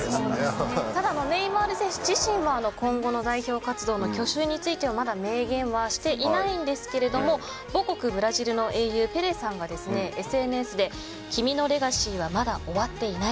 ただ、ネイマール選手自身は今後の代表活動の去就についてはまだ明言はしていないんですが母国・ブラジルの英雄ペレさんがＳＮＳで、君のレガシーはまだ終わっていない。